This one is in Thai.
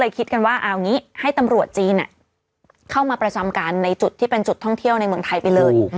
คิดกันว่าเอางี้ให้ตำรวจจีนเข้ามาประจำการในจุดที่เป็นจุดท่องเที่ยวในเมืองไทยไปเลย